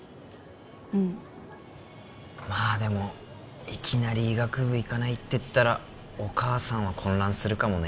うんまあでもいきなり医学部行かないって言ったらお母さんは混乱するかもね